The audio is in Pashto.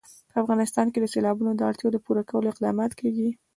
په افغانستان کې د سیلابونو د اړتیاوو پوره کولو اقدامات کېږي.